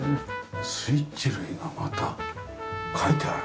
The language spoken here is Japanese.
スイッチ類がまた描いてある。